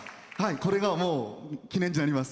これが記念になります。